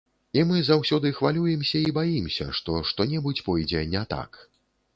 І мы заўсёды хвалюемся і баімся, што што-небудзь пойдзе не так.